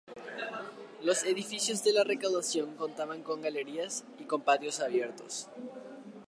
Los edificios de la Reducción contaban con galerías y con patios abiertos.